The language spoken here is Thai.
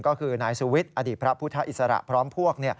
ก็คือนายสุวิทย์อดีตพระพุทธอิสระพร้อมพวก